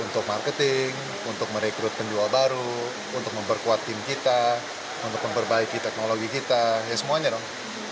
untuk marketing untuk merekrut penjual baru untuk memperkuat tim kita untuk memperbaiki teknologi kita ya semuanya dong